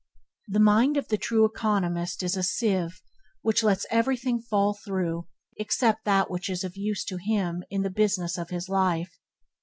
The mind of the true economist is a sieve which lets everything fall through except that which is of use to him in the business of his life.